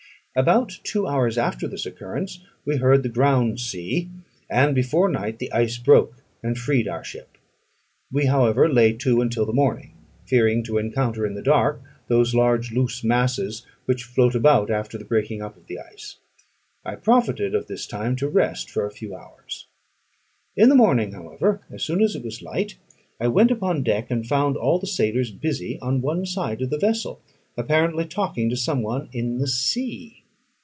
About two hours after this occurrence, we heard the ground sea; and before night the ice broke, and freed our ship. We, however, lay to until the morning, fearing to encounter in the dark those large loose masses which float about after the breaking up of the ice. I profited of this time to rest for a few hours. In the morning, however, as soon as it was light, I went upon deck, and found all the sailors busy on one side of the vessel, apparently talking to some one in the sea.